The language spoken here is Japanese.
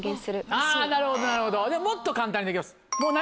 あぁなるほどなるほどでももっと簡単にできます。